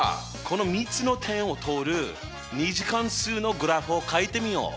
この３つの点を通る２次関数のグラフをかいてみよう！